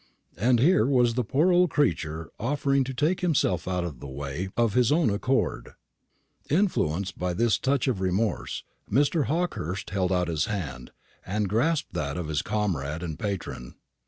And here was the poor old creature offering to take himself out of the way of his own accord. Influenced by this touch of remorse, Mr. Hawkehurst held out his hand, and grasped that of his comrade and patron.